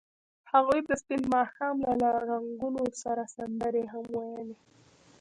هغوی د سپین ماښام له رنګونو سره سندرې هم ویلې.